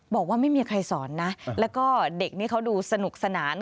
บอกว่าไม่มีใครสอนนะแล้วก็เด็กนี้เขาดูสนุกสนาน